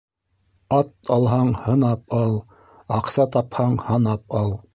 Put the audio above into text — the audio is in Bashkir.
Ат алһаң, һынап ал; аҡса тапһаң, һанап ал.